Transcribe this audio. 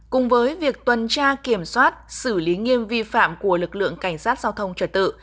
cùng với việc tuần tra kiểm soát xử lý nghiêm vi phạm của lực lượng cảnh sát giao thông trở tự